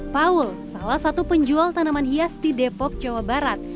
paul salah satu penjual tanaman hias di depok jawa barat